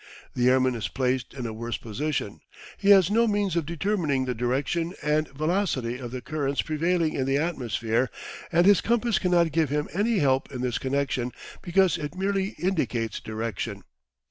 The airman is placed in a worse position. He has no means of determining the direction and velocity of the currents prevailing in the atmosphere, and his compass cannot give him any help in this connection, because it merely indicates direction.